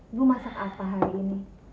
ibu masak apa hari ini